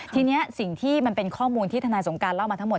ทีนี้สิ่งที่มันเป็นข้อมูลที่ทนายสงการเล่ามาทั้งหมด